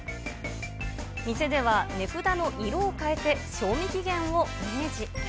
店では値札の色を変えて、賞味期限を明示。